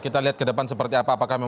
kita lihat ke depan seperti apa apakah